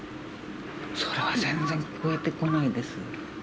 それは全然聞こえてこないです。